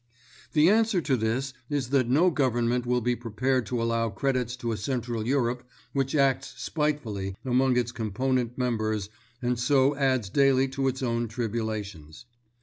The answer to this is that no government will be prepared to allow credits to a Central Europe which acts spitefully among its component members and so adds daily to its own tribulations.